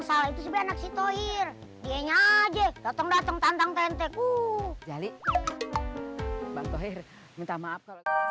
salah itu sebenarnya si tohir ianya aja datang datang tantang tentek uh jali minta maaf